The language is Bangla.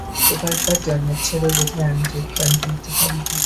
এবারকার জন্মোৎসবে বোধ হয় আমি যোগদান করিতে পারিব।